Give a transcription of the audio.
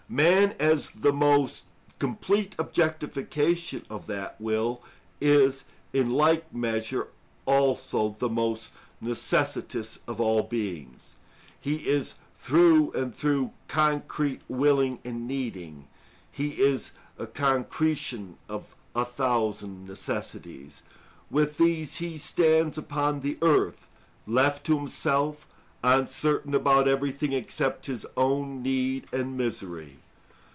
Man, as the most complete objectification of that will, is in like measure also the most necessitous of all beings: he is through and through concrete willing and needing; he is a concretion of a thousand necessities. With these he stands upon the earth, left to himself, uncertain about everything except his own need and misery.